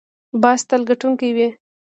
باز تل ګټونکی وي